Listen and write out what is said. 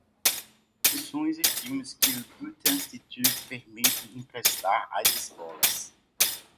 Exposições e filmes que o Goethe-Institut permite emprestar às escolas.